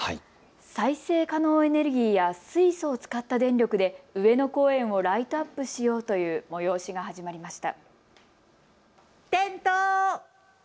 再生可能エネルギーや水素を使った電力で上野公園をライトアップしようという催しが始まりました。